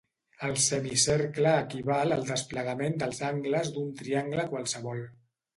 El semicercle equival al desplegament dels angles d'un triangle qualsevol.